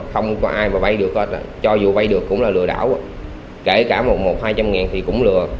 không có ai mà vai được hết cho dù vai được cũng là lừa đảo kể cả một hai trăm ngàn thì cũng lừa